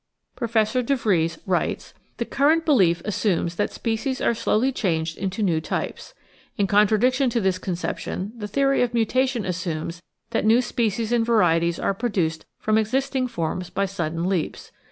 Professor de Vries writes : "The current belief assumes that species are slowly changed into new types. In contradiction to this conception the theory of mutation assumes that new species and varieties are produced from existing forms by sudden leaps.